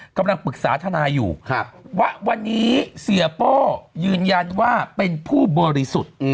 กำลังปรึกษาทนายอยู่ว่าวันนี้เสียโป้ยืนยันว่าเป็นผู้บริสุทธิ์